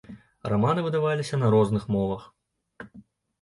Раманы выдаваліся на розных мовах.